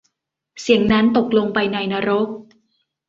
เสียงนั้นตกลงไปในนรก